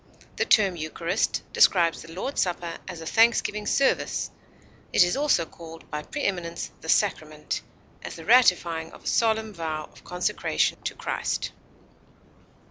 The term eucharist describes the Lord's Supper as a thanksgiving service; it is also called by preeminence the sacrament, as the ratifying of a solemn vow of consecration to Christ.